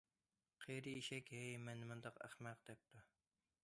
قېرى ئېشەك:- ھەي، مەن نېمانداق ئەخمەق،- دەپتۇ.